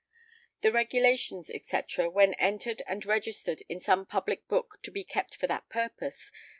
[The Regulations, &c., when] entered and registered in some public book to be kept for that purpose